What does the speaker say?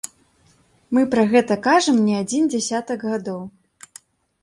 Мы пра гэта кажам не адзін дзясятак гадоў!